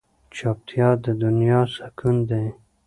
چوپتیا، د دنیا سکون دی.